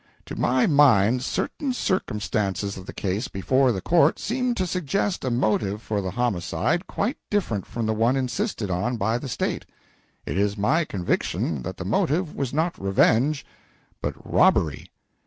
"To my mind, certain circumstances of the case before the court seem to suggest a motive for the homicide quite different from the one insisted on by the State. It is my conviction that the motive was not revenge, but robbery.